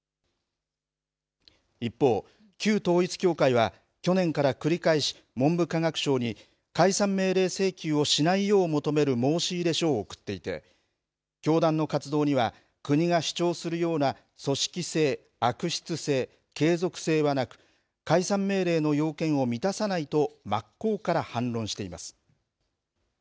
一方、旧統一教会は去年から繰り返し文部科学省に解散命令請求をしないよう求める申し入れ書を送っていて教団の活動には国が主張するような組織性悪質性継続性はなく解散命令の要件を満たさないと真っ向から反論しています。